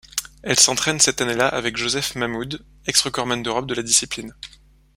Elle s'entraîne cette année-là avec Joseph Mahmoud, ex-recordman d'Europe de la discipline.